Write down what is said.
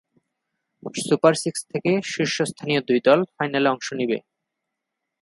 Super six থেকে শীর্ষস্থানীয় দুই দল ফাইনালে অংশ নিবে।